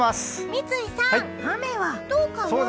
三井さん、雨はどうかな？